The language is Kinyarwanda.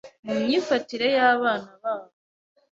mu myifatire y’abana babo.